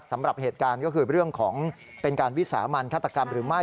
สำหรับเหตุการณ์ก็คือเรื่องของเป็นการวิสามันฆาตกรรมหรือไม่